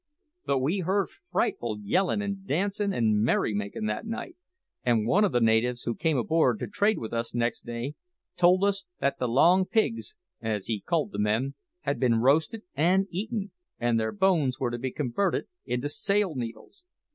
But we heard frightful yelling and dancing and merrymaking that night; and one of the natives, who came aboard to trade with us next day, told us that the long pigs, as he called the men, had been roasted and eaten, and their bones were to be converted into sail needles.